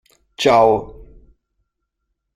Ciao!